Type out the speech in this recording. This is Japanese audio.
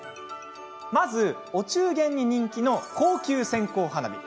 まず、お中元に人気の高級線香花火。